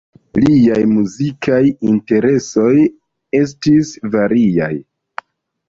Liaj muzikaj interesoj estis variaj.